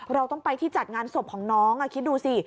เราต้องไปที่จัดงานศพของน้องคิดดูสิ